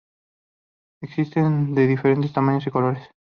Existen de diferentes tamaños y colores.